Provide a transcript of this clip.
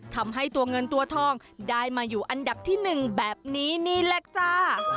ทำให้ตัวเงินตัวทองได้มาอยู่อันดับที่๑แบบนี้นี่แหละจ้า